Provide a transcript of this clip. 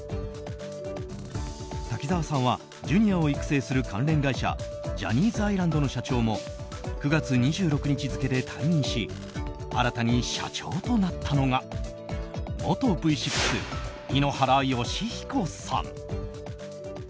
滝沢さんはジュニアを育成する関連会社ジャニーズアイランドの社長も９月２６日付で退任し新たに社長となったのが元Ｖ６、井ノ原快彦さん。